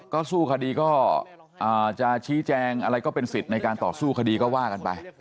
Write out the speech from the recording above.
ก็สู้คดีก็จะชี้แจงอะไรก็เป็นสิทธิ์ในการต่อสู้คดีก็ว่ากันไป